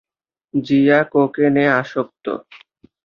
জিয়া কোকেন-এ আসক্ত হন।